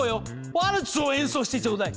ワルツを演奏してちょうだい。